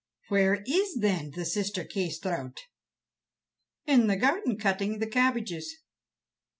"Where is, then, the sister Kâsetraut?" "In the garden, cutting the cabbages."